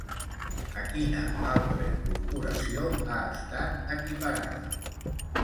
A quina altra incorporació ha estat equiparada?